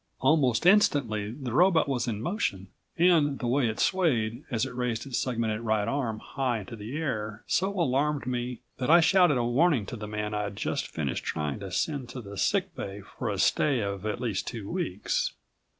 Almost instantly the robot was in motion, and the way it swayed as it raised its segmented right arm high into the air so alarmed me that I shouted a warning to the man I'd just finished trying to send to the sick bay for a stay of at least two weeks.